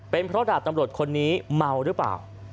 เป็นเพราะดาบตำรวจคนนี้เมาหรือเปล่า